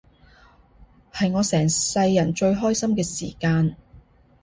係我成世人最開心嘅時間